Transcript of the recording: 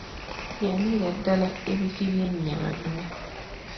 Yaliira ddala ebifi by'enyama bina!